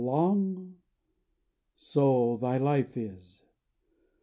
long? So thy life is.